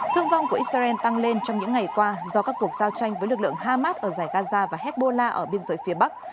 thương vong của israel tăng lên trong những ngày qua do các cuộc giao tranh với lực lượng hamas ở giải gaza và hezbollah ở biên giới phía bắc